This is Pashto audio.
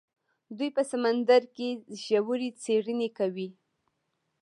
دوی په سمندر کې ژورې څیړنې کوي.